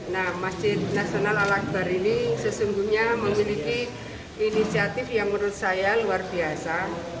nah masjid nasional al akbar ini sesungguhnya memiliki inisiatif yang menurut saya luar biasa